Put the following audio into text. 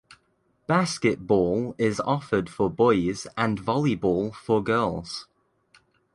Basketball is offered for boys and volleyball for girls.